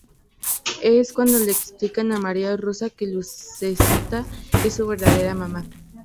Es cuando le explican a María Rosa que Lucecita es su verdadera mamá.